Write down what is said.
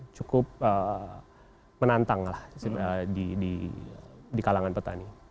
cukup menantang lah di kalangan petani